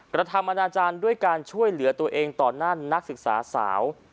กระทำอนาจารย์ด้วยการช่วยเหลือตัวเองต่อหน้านักศึกษาสาว